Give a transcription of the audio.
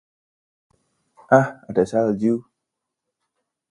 Ah, ada salju!